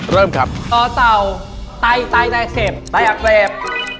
เริ่มครับต่อต่อตายอักเสบตายอักเสบ